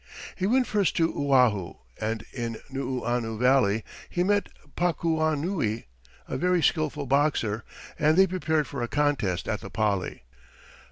He went first to Oahu, and in Nuuanu Valley he met Pakuanui, a very skilful boxer, and they prepared for a contest at the Pali.